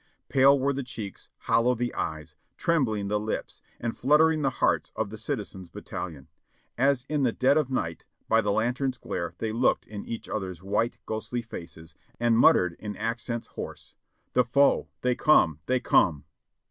Pale were the cheeks, hollow the eyes, trembling the lips and fluttering the hearts of the citizens' battalion, as in the dead of night, by the lantern's glare, they looked in each other's white, ghostly faces and mut tered in accents hoarse : "The foe! they come! they come!''